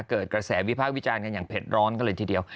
เกิดกระแสวิพากษ์วิจารณ์กันอย่างเผ็ดร้อนกันเลยทีเดียว